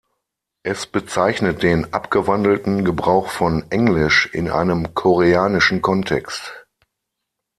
Es bezeichnet den abgewandelten Gebrauch von Englisch in einem koreanischen Kontext.